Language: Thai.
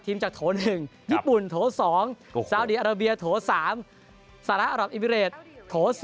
จากโถ๑ญี่ปุ่นโถ๒ซาวดีอาราเบียโถ๓สหรัฐอรับอิมิเรตโถ๒